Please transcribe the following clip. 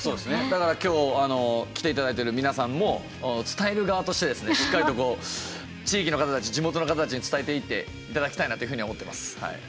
だから今日来ていただいている皆さんも伝える側としてですねしっかりと地域の方たち地元の方たちに伝えていっていただきたいなというふうに思ってます。